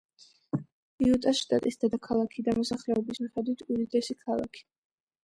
იუტას შტატის დედაქალაქი და მოსახლეობის მიხედვით უდიდესი ქალაქი.